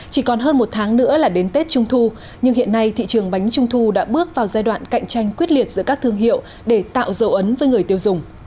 chỉ còn hơn một tháng nữa là đến tết trung thu nhưng hiện nay thị trường bánh trung thu đã bước vào giai đoạn cạnh tranh quyết liệt giữa các thương hiệu để tạo dấu ấn với người tiêu dùng